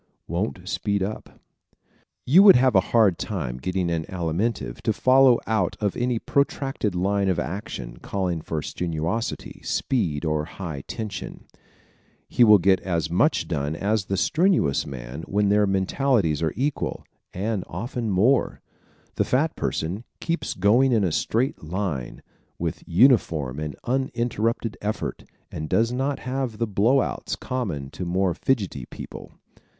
Won't Speed Up ¶ You would have a hard time getting an Alimentive to follow out any protracted line of action calling for strenuosity, speed or high tension. He will get as much done as the strenuous man when their mentalities are equal and often more. The fat person keeps going in a straight line, with uniform and uninterrupted effort, and does not have the blow outs common to more fidgety people.